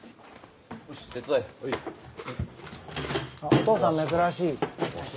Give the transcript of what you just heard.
お父さん珍しい。